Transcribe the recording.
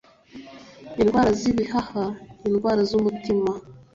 indwara z'ibihaha, indwara z'umutima